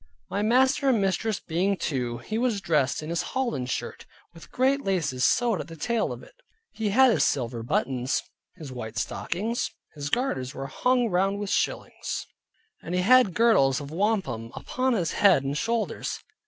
My master and mistress being two. He was dressed in his holland shirt, with great laces sewed at the tail of it; he had his silver buttons, his white stockings, his garters were hung round with shillings, and he had girdles of wampum upon his head and shoulders.